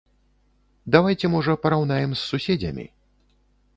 Давайце можа параўнаем з суседзямі.